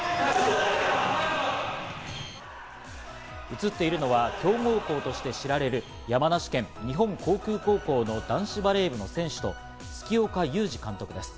映っているのは強豪校として知られる山梨県・日本航空高校の男子バレー部の選手と、月岡裕二監督です。